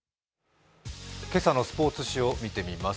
今朝のスポーツ紙を見てみます。